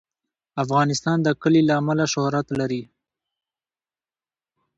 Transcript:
افغانستان د کلي له امله شهرت لري.